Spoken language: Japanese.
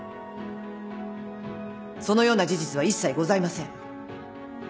そのような事実は一切ございません。